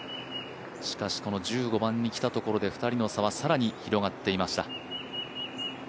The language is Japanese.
しかしこの１５番に来たところで２人の差は更に広がっていました。